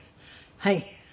はい。